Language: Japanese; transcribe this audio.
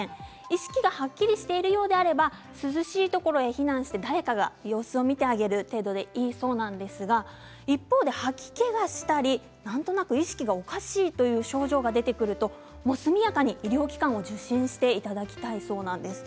意識がはっきりしていれば涼しい場所へ避難して誰かが様子を見ている程度でいいそうなんですが一方で吐き気がしたりなんとなく意識がおかしいという症状が出てくると速やかに医療機関を受診していただきたいそうなんです。